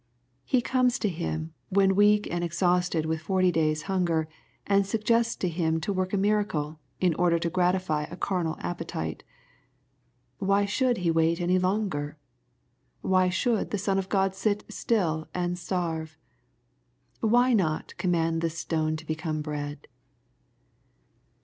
He comes to Him, when weak and exhausted with forty days' hunger^and suggests to Him to work a miracle, in order to gratify a carnal appetite. Why should He wait any longer ? Why should the Son of God sit still and starve ? Why not " command this stone to becOme bread